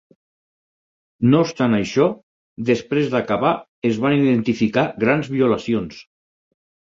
No obstant això, després d'acabar es van identificar grans violacions.